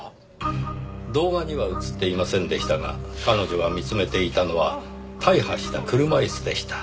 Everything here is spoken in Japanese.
動画には映っていませんでしたが彼女が見つめていたのは大破した車椅子でした。